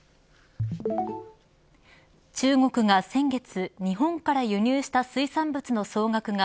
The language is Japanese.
中国が先月日本から輸入した水産物の総額が